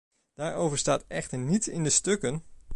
Daarover staat echter niets in de stukken!